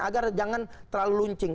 agar jangan terlalu luncing